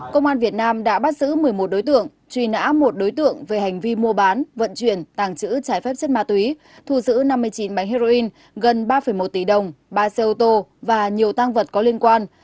công an việt nam đã bắt giữ một mươi một đối tượng truy nã một đối tượng về hành vi mua bán vận chuyển tàng trữ trái phép chất ma túy thu giữ năm mươi chín bánh heroin gần ba một tỷ đồng ba xe ô tô và nhiều tăng vật có liên quan